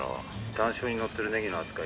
タン塩にのってるネギの扱い」